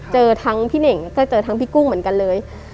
เจอทั้งพี่เน่งก็เจอทั้งพี่กุ้งเหมือนกันเลย